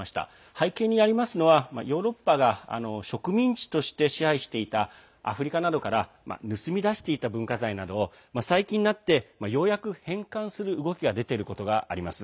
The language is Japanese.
背景にあるのは、ヨーロッパが植民地として支配していたアフリカなどから盗み出していた文化財などを最近になって返還する動きが、ようやく出てきていることがあります。